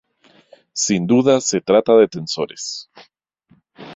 Sin duda se trata de tensores.